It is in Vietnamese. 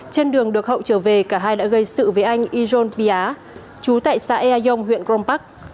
trên đường được hậu trở về cả hai đã gây sự với anh ion pia chú tại xã eang huyện grom park